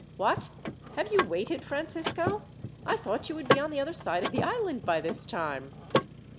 "What! Have you waited, Francisco? I thought you would be on the other side of the island by this time."